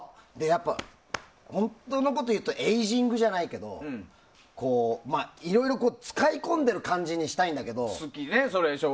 やっぱり、本当のことをいうとエイジングじゃないけどいろいろ使い込んでいる感じにしたいんだけど。